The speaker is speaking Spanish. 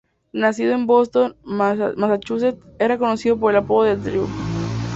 Nacido en Boston, Massachusetts, era conocido por el apodo de Drew.